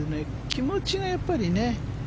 気持ちがやっぱりね。